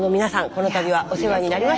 この度はお世話になりました。